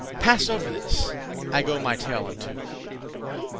Pass over this; I go my tale unto.